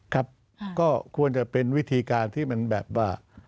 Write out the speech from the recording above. ครับก็ควรจะเป็นวิธีการที่มันแบบว่า